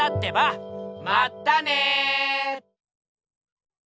まったね！